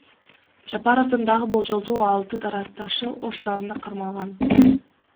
Жапаровдун дагы болжолдуу алты тарапташы Ош шаарында кармалган.